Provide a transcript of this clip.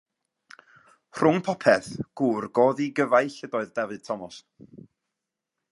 Rhwng popeth, gŵr go ddigyfaill ydoedd Dafydd Tomos.